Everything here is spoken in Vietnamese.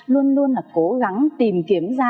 luôn luôn là cố gắng tìm kiếm ra